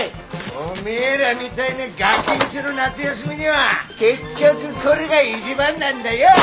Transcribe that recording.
おめえらみたいなガギんちょの夏休みには結局これが一番なんだよ！